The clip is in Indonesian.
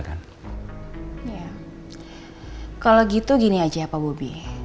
kalau begitu gini aja ya pak bobby